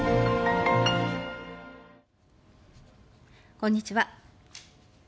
こんにちは。